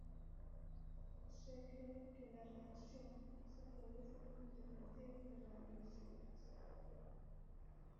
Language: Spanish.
Se cree que la reacción se produce con intervención de radicales libres.